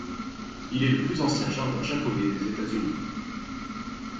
Il est le plus ancien jardin japonais des États-Unis.